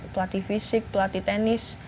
pelatih fisik pelatih tenis